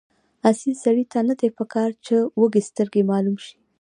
اصیل سړي ته نه دي پکار چې وږسترګی معلوم شي.